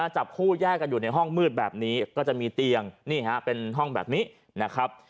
จับคู่แยกกันอยู่ในห้องมืดแบบนี้ก็จะมีเตียงนี่ฮะเป็นห้องแบบนี้นะครับ